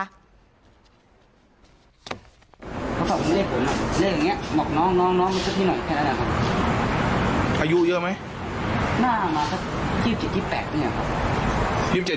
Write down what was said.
แล้วเราออกไปทำไมตรงเตาเมาะตรงเสา